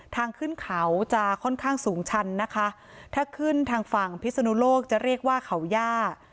ทางขึ้นเขาจะค่อนข้างสูงชันนะคะถ้าขึ้นทางฝั่งพิศนุโลกจะเรียกว่าเขาย่า